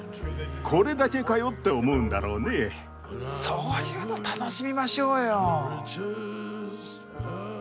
そういうの楽しみましょうよ。